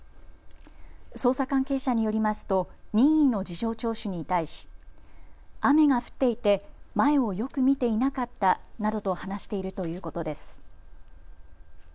捜査関係者によりますと任意の事情聴取に対し雨が降っていて前をよく見ていなかったなどと話しているということです。